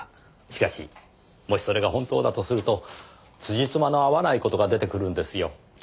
しかしもしそれが本当だとすると辻褄の合わない事が出てくるんですよ。